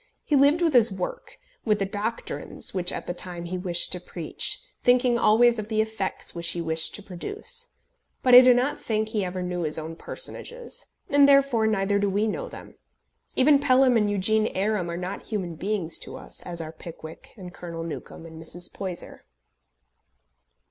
He lived with his work, with the doctrines which at the time he wished to preach, thinking always of the effects which he wished to produce; but I do not think he ever knew his own personages, and therefore neither do we know them. Even Pelham and Eugene Aram are not human beings to us, as are Pickwick, and Colonel Newcombe, and Mrs. Poyser.